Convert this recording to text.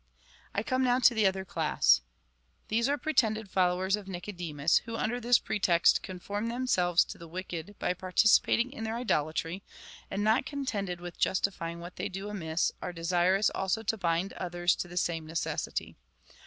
I come now to the other class. These are pretended fol lowers of Nicodemus,^ who under this pretext conform them selves to the wicked by participating in their idolatry, and not contented with justifying what they do amiss, are desirous also to bind others to the same necessity.